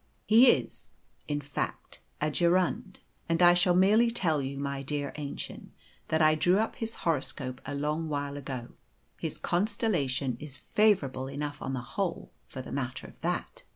He is, in fact, a gerund; and I shall merely tell you, my dear Aennchen, that I drew up his horoscope a long while ago. His constellation is favourable enough on the whole, for the matter of that.